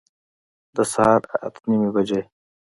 د سهار اته نیمي بجي